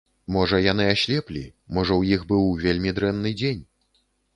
Можа, яны аслеплі, можа, у іх быў вельмі дрэнны дзень.